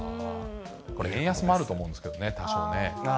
円安もあると思うんですけどね、多少ね。